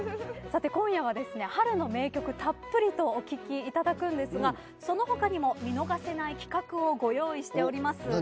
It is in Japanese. さて今夜は春の名曲たっぷりとお聴きいただくんですがその他にも見逃せない企画をご用意しております。